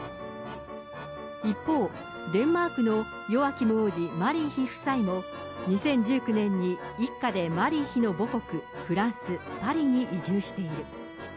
一方、デンマークのヨアキム王子、マリー妃夫妻も、２０１９年に一家でマリー妃の母国、フランス・パリに移住している。